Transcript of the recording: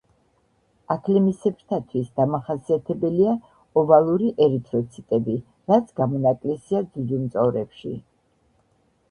აქლემისებრთათვის დამახასიათებელია ოვალური ერითროციტები, რაც გამონაკლისია ძუძუმწოვრებში.